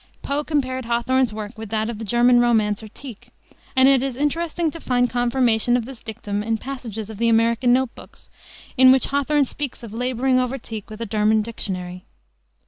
Poe compared Hawthorne's work with that of the German romancer, Tieck, and it is interesting to find confirmation of this dictum in passages of the American Note Books, in which Hawthorne speaks of laboring over Tieck with a German dictionary.